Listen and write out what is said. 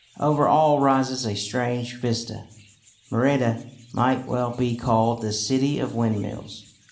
Over all rises a strange vista. Merida might well be called the "City of Windmills."